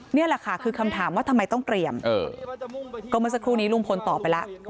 นี่แหละค่ะคือคำถามว่าทำไมต้องเตรียมก็เมื่อสักครู่นี้ลุงพลตอบไปแล้ว